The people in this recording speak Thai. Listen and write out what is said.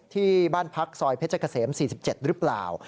ที่บ้านพักซอยเพชรเกษม๔๗หรือเปล่า